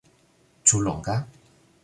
Ĉu longa?